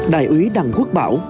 đại úy đằng quốc bảo